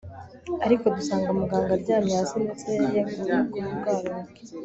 ariko dusanga muganga aryamye hasi ndetse yari yaguye kuri rwa rugi